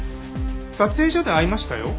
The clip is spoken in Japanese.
撮影所で会いましたよ。